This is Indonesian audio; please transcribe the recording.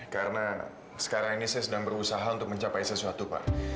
karena sekarang ini saya sedang berusaha untuk mencapai sesuatu pak